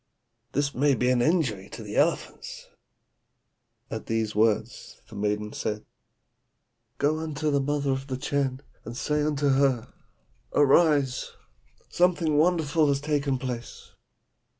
This may be an injury to the elephants.' "At these words the maiden said, 'Go unto the mother of the Chan, and say unto her, "Arise! something wonderful has taken place."'